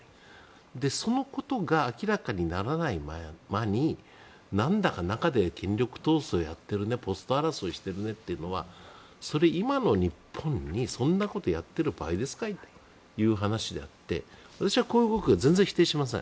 そのことが明らかにならない間になんだか中で権力闘争やっているねポスト争いしてるねというのは今の日本にそんなことを、やっている場合ですかいという話であって私はこのことは全然否定しません。